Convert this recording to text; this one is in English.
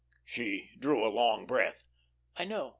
She drew a long breath. "I know.